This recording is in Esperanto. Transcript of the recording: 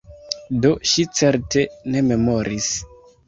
Do ŝi certe ne memoris!